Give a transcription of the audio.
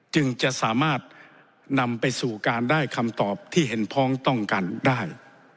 จึงจะสามารถนำไปสู่การได้คำตอบที่เห็นพ้องต้องกันได้